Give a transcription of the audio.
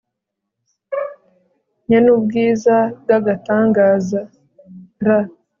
nyen'ubwiza bw'agatangaza, +r